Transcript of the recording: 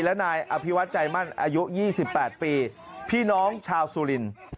และนายอภิวัตใจมั่นอายุ๒๘ปีพี่น้องชาวสุรินทร์